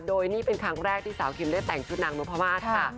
โดยนี่เป็นครั้งแรกที่สาวคิมได้แต่งชุดนางนพมาศค่ะ